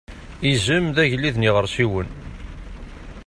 Izem d agellid n yiɣersiwen.